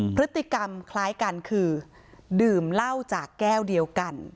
พฤติกรรมคล้ายกันคือดื่มเหล้าจากแก้วเดียวกัน